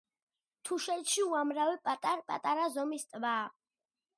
თუშეთში უამრავი პატარ-პატარა ზომის ტბაა.